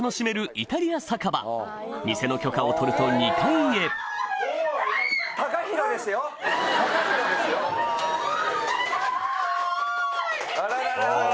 イタリア酒場店の許可を取ると２階へあららら。